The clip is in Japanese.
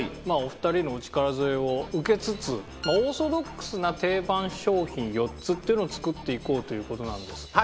まあお二人のお力添えを受けつつオーソドックスな定番商品４つっていうのを作っていこうという事なんです。